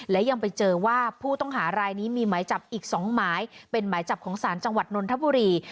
และยังไปเจอว่าผู้ต้องหารายนี้มีหมายจับอีก๒หมายเป็นหมายจับของศาลจังหวัดนนทบุรี